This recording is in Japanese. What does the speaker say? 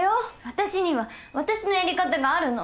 私には私のやり方があるの。